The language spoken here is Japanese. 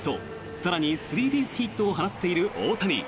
更にスリーベースヒットを放っている大谷。